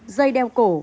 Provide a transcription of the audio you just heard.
dây đeo cổ